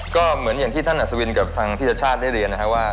ก็เหมือนอย่างที่ท่านอัศวินกับทางพี่ชชาติได้เรียนนะครับว่า